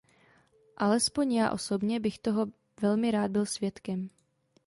Alespoň já osobně bych toho velmi rád byl svědkem.